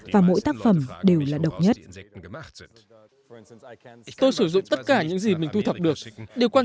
và mỗi tác phẩm đều là độc nhất tôi sử dụng tất cả những gì mình thu thập được điều quan